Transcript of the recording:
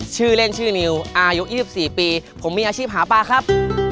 ชื่อเล่นชื่อนิวอายุ๒๔ปีผมมีอาชีพหาปลาครับ